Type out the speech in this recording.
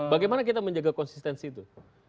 bagaimana kita menjaga konsistensi itu